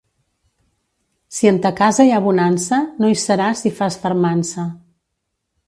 Si en ta casa hi ha bonança, no hi serà si fas fermança.